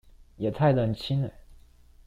也太冷清了